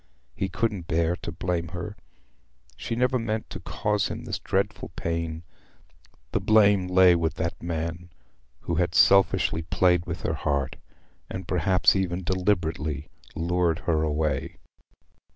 He couldn't bear to blame her: she never meant to cause him this dreadful pain. The blame lay with that man who had selfishly played with her heart—had perhaps even deliberately lured her away.